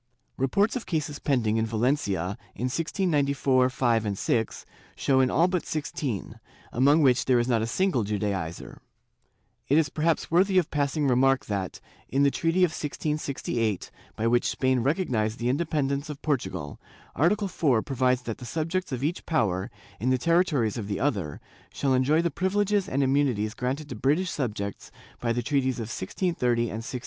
Reports of cases pending in Valencia in 1694 5 6, show in all but sixteen, among which there is not a single Judaizer,^ It is perhaps worthy of passing remark that, in the treaty of 1668, by which Spain recognized the independence of Portugal, Article 4 provides that the subjects of each power, in the territories of the other, shall enjoy the privileges and immunities granted to British subjects by the treaties of 1630 and 1667.